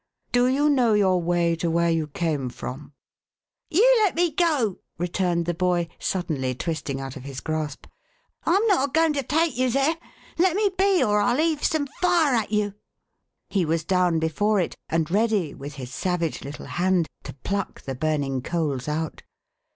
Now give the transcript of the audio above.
Do you know your way to where you came from ?" REDLAW AND HIS GUIDE. 479 " You let me go," returned the boy, suddenly twisting out of his grasp. " I'm not a going to take you there. Let me be, or I'll heave some fire at you !" He was down before it, and ready, with his savage little hand, to pluck the burning coals out.